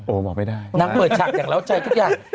บอกไม่ได้นางเปิดฉากอย่างเล่าใจทุกอย่าง